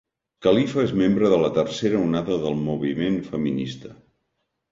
Califa és membre de la tercera onada del moviment feminista.